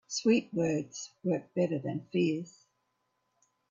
Sweet words work better than fierce.